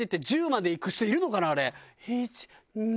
「１２」